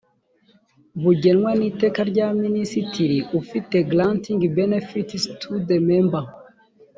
bugenwa n iteka rya minisitiri ufite granting benefits to the member